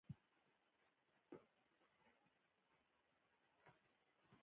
اقلیم د افغانستان د ځمکې د جوړښت نښه ده.